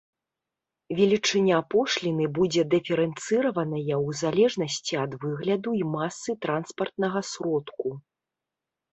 Велічыня пошліны будзе дыферэнцыраваная ў залежнасці ад выгляду і масы транспартнага сродку.